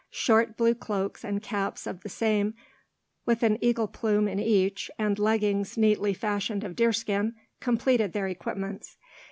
Short blue cloaks and caps of the same, with an eagle plume in each, and leggings neatly fashioned of deerskin, completed their equipments.